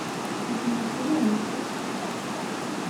Atni ffren.